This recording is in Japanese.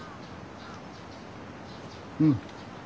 うん。